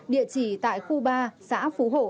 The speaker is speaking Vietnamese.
địa chỉ tại khu ba xã phú hộ